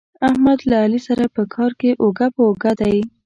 احمد له علي سره په کار کې اوږه په اوږه دی.